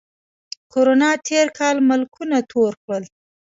کرونا تېر کال ملکونه تور کړل